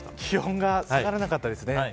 気温が下がらなかったですね。